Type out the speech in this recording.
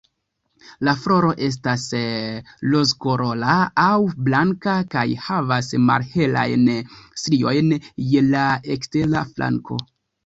La floro estas rozkolora aŭ blanka kaj havas malhelajn striojn je la ekstera flanko.